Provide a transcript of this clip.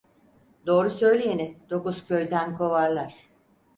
Doğru söyleyeni dokuz köyden kovarlar.